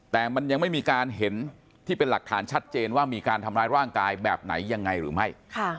แต่มันยังไม่มีการเห็นที่เป็นหลักฐานชัดเจนว่ามีการทำร้ายร่างกายแบบไหนยังไงหรือไม่